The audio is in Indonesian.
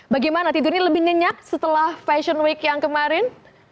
bagaimana tidurnya lebih nyenyak setelah fashion week yang kemarin